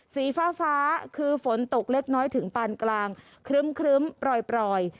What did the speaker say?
สีฟ้าคือฝนตกเล็กน้อยถึงปานกลางครึ้มปล่อย